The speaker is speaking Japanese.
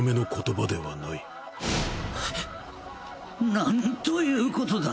なんということだ。